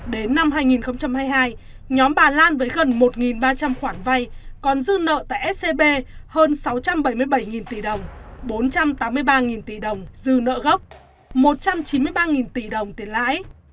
đến năm hai nghìn hai mươi hai nhóm bà lan với gần một ba trăm linh khoản vay còn dư nợ tại scb hơn sáu trăm bảy mươi bảy tỷ đồng bốn trăm tám mươi ba tỷ đồng dư nợ gốc một trăm chín mươi ba tỷ đồng tiền lãi